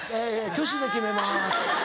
挙手で決めます。